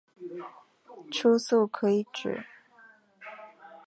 初速可以指